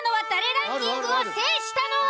ランキングを制したのは。